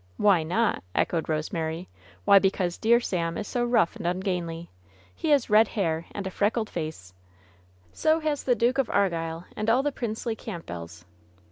" Why not V " echoed Rosemary. * Why, because dear Sam is so rough and ungainly. He has red hair and a freckled face ^^ "So has the Duke of Argyll and all the princely Campbells